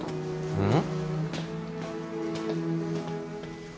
うん？